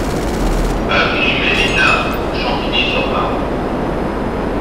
Avenue Mélina, Champigny-sur-Marne